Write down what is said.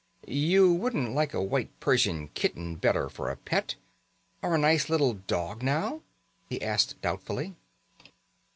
"You wouldn't like a white Persian kitten better for a pet or a nice little dog, now?" he asked doubtfully.